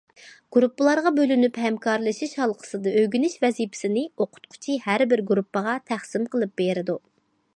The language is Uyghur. گۇرۇپپىلارغا بۆلۈنۈپ ھەمكارلىشىش ھالقىسىدا ئۆگىنىش ۋەزىپىسىنى ئوقۇتقۇچى ھەربىر گۇرۇپپىغا تەقسىم قىلىپ بېرىدۇ.